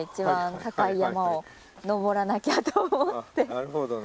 なるほどね。